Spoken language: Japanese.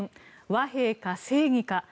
和平か正義か。